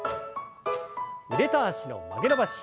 腕と脚の曲げ伸ばし。